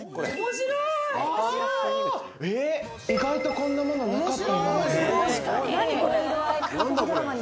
意外とこんなものなかった今まで。